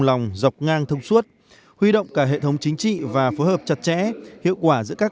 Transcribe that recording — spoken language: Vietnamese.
lòng dọc ngang thông suốt huy động cả hệ thống chính trị và phối hợp chặt chẽ hiệu quả giữa các